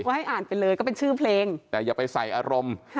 ก็ให้อ่านไปเลยก็เป็นชื่อเพลงแต่อย่าไปใส่อารมณ์